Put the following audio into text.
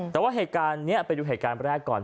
แต่ว่าเหตุการณ์นี้ไปดูเหตุการณ์แรกก่อน